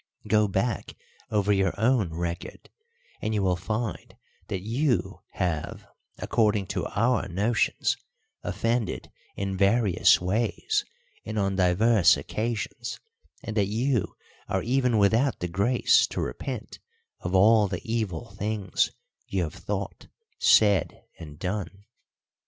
Go back over your own record, and you will find that you have, according to our notions, offended in various ways and on divers occasions, and that you are even without the grace to repent of all the evil things you have thought, said, and done."